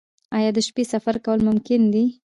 آیا د شپې سفر کول ممکن دي؟